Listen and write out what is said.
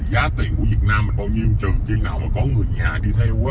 giá tiền của việt nam là bao nhiêu trừ khi nào mà có người nhà đi theo á